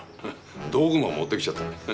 道具も持ってきちゃった。